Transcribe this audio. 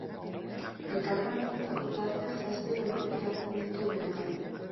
Elkarbanatutako tarteak zazpi geltoki hartzen ditu bere gain.